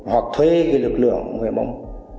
hoặc thuê cái lực lượng người bóng